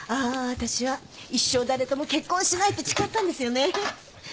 私は一生誰とも結婚しないって誓ったんですよね。